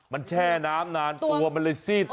มันแช่น้ำนานตัวมันเลยซีด